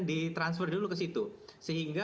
di transfer dulu ke situ sehingga